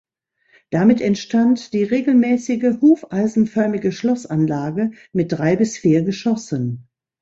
Damit entstand die regelmäßige hufeisenförmige Schlossanlage mit drei bis vier Geschossen.